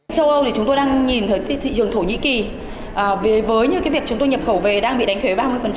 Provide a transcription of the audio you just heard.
châu âu thì chúng tôi đang nhìn thấy thị trường thổ nhĩ kỳ với những việc chúng tôi nhập khẩu về đang bị đánh thuế ba mươi